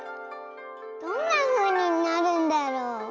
どんなふうになるんだろう？